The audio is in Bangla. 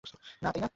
না, তাই না?